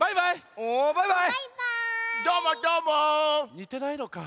にてないのか。